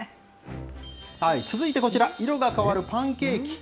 続いてこちら、色が変わるパンケーキ。